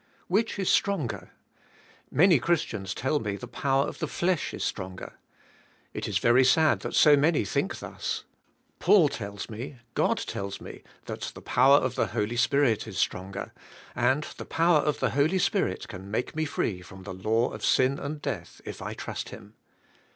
Which is stronger? Many Christians tell me the power of the flesh is stronger. It is very sad that so many think thus. Paul tells me, God tells me, that the power of the Holy Spirit is stronger and the power of the Holy Spirit can make me free from the law of sin and death if I trust him.